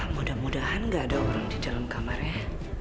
mudah mudahan gak ada orang di dalam kamarnya